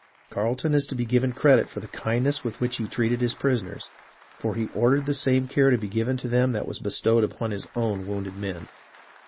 Carleton is to be given credit for the kindness with which he treated his prisoners, for he ordered the same care to be given them that was bestowed upon his own wounded men.